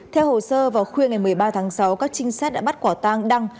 theo hồ sơ vào khuya ngày một mươi ba tháng sáu các trinh sát đã bắt quả tang đăng